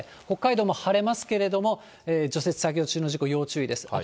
北海道も晴れますけれども、除雪作業中の事故、要注意です。